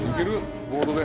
ボードで。